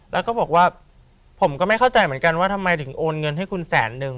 แล้วก็บอกว่าผมก็ไม่เข้าใจเหมือนกันว่าทำไมถึงโอนเงินให้คุณแสนนึง